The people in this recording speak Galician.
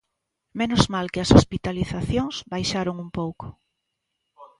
Menos mal que as hospitalizacións baixaron un pouco.